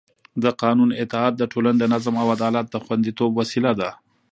د قانون اطاعت د ټولنې د نظم او عدالت د خونديتوب وسیله ده